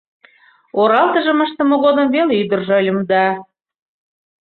Оралтыжым ыштыме годым веле ӱдыржӧ ыльым да